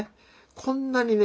こんなにね